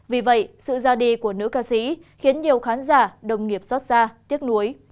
vì vậy sự ra đi của nữ ca sĩ khiến nhiều khán giả đồng nghiệp xót xa tiếc nuối